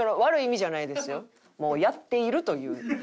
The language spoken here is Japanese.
もう「やっている」という。